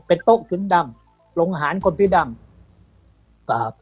เป็นโต๊ะถุนดำหลงหารคนผิวดำ